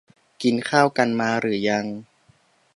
กินข้าวกันมาหรือยัง